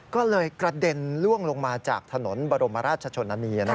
ก็เลยกระเด็นล่วงลงมาจากถนนบรมราชชนนานี